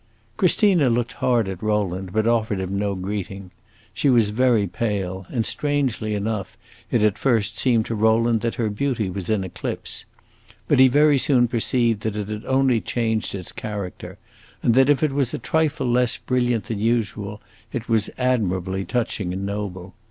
Christina looked hard at Rowland, but offered him no greeting. She was very pale, and, strangely enough, it at first seemed to Rowland that her beauty was in eclipse. But he very soon perceived that it had only changed its character, and that if it was a trifle less brilliant than usual, it was admirably touching and noble.